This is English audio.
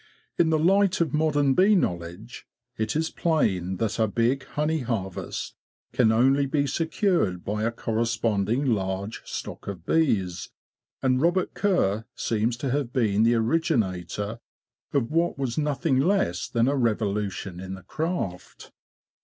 In the light of modern bee knowledge, it is plain that a big honey harvest can only be secured by a corresponding large stock of bees, and Robert Kerr seems to have been the originator of what was nothing less than a revolution in the craft.